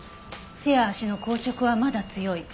手や足の硬直はまだ強い。